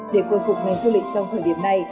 để khôi phục ngành du lịch trong thời điểm này